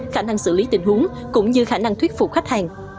khả năng xử lý tình huống cũng như khả năng thuyết phục khách hàng